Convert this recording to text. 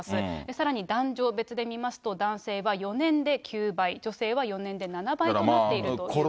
さらに男女別で見ますと、男性は４年で９倍、女性は４年で７倍となっているということです。